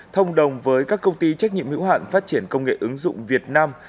thông đồng với các công ty trách nhiệm hữu hạn phát triển công nghệ ứng dụng việt nam